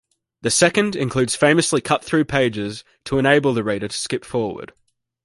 The second includes famously cut-through pages to enable the reader to skip forward.